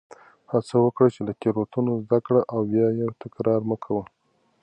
هڅه وکړه چې له تېروتنو زده کړه او بیا یې تکرار مه کوه.